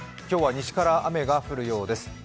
今日は西から雨が降るようです。